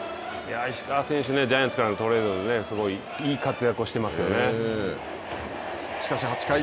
石川選手、ジャイアンツからのトレードでね、すごいいい活躍をしかし８回。